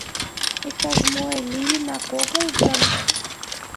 Иктаж-мо лийынак огыл гын?